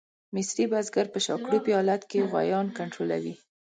مصري بزګر په شاکړوپي حالت کې غویان کنټرولوي.